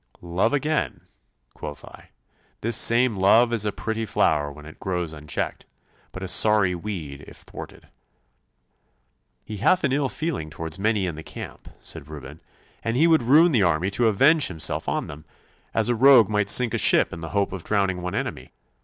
'Love again,' quoth I. 'This same love is a pretty flower when it grows unchecked, but a sorry weed if thwarted.' 'He hath an ill feeling towards many in the camp,' said Reuben, 'and he would ruin the army to avenge himself on them, as a rogue might sink a ship in the hope of drowning one enemy.